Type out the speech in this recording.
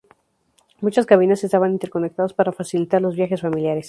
Muchas cabinas estaban interconectadas para facilitar los viajes familiares.